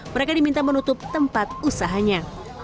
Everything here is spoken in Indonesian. mereka diminta menutup tempat usahanya